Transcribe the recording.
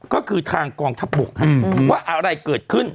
ก็คือทางกองทัพบกว่าอะไรเกิดขึ้น